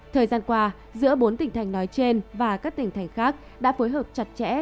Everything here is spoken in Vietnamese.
thời gian qua giữa bốn tỉnh thành nói trên và các tỉnh thành khác đã phối hợp chặt chẽ